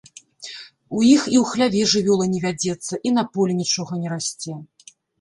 У іх і ў хляве жывёла не вядзецца і на полі нічога не расце.